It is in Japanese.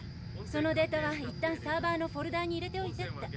そのデータはいったんサーバーのフォルダに入れておいてって。